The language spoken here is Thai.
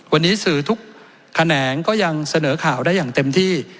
วันนี้สื่อทุกแขนงก็ยังเสนอข่าวได้อย่างเต็มที่